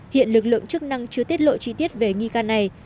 hiện lực lượng chức năng chưa tiết lộ chi tiết về nghi can này